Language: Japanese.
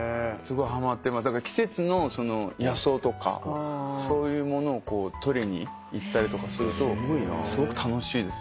季節の野草とかそういうものをとりに行ったりとかするとすごく楽しいです。